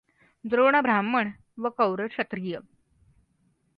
द्रोण ब्राम्हण व कौरव क्षत्रिय.